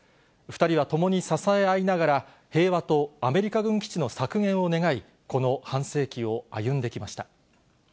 ２人は共に支え合いながら、平和とアメリカ軍基地の削減を願い、この半世紀を歩んできました。